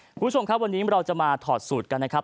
คุณผู้ชมครับวันนี้เราจะมาถอดสูตรกันนะครับ